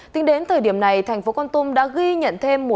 tính đến thời điểm này thành phố con tum đã ghi nhận thêm